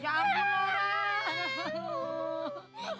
ya ampun orang